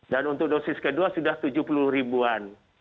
dan untuk dosis kedua sudah tujuh puluh ribuan